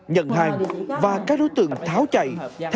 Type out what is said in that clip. nhận hàng và các đối tượng tháo chạy